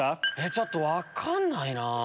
ちょっと分かんないなぁ。